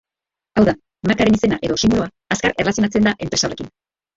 Hau da, markaren izena edo sinboloa azkar erlazionatzen da enpresa horrekin.